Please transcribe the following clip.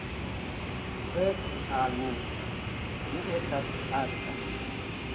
Fek' al mi! Mi estas alta.